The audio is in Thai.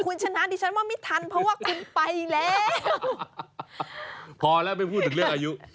คุณชนะดิฉันว่าไม่ทันเพราะว่าคุณไปแล้วพอแล้วไม่พูดถึงเรื่องอายุ